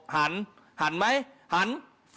หันหันไหมหัน